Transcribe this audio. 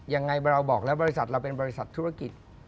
ยังไงเราบอกแล้วบริษัทเราเป็นบริษัทธุรกิจ